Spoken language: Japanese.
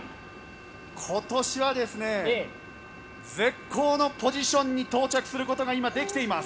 今年は絶好のポジションに到着することが今、できています。